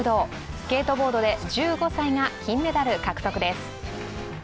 スケートボードで１５歳が金メダル獲得です。